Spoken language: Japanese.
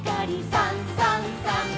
「さんさんさん」